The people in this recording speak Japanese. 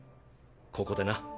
ここでな。